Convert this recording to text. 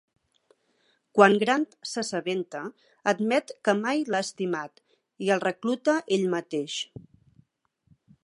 Quan Grant s'assabenta, admet que mai l'ha estimat i el recluta ell mateix.